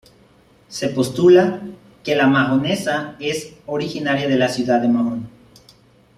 Se postula que la mahonesa es originaria de la ciudad de Mahón.